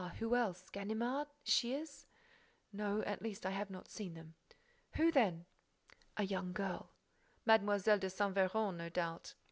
Who else? Ganimard? Shears?" "No—at least, I have not seen them." "Who then?" "A young girl." "Mlle. de Saint Véran, no doubt."